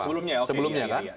oh ya sebelumnya ya